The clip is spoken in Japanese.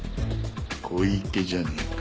小池じゃねえか。